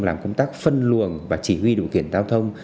làm công tác phân luồng và chỉ huy điều kiện giao thông